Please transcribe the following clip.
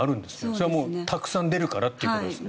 それはたくさんあるからということですね。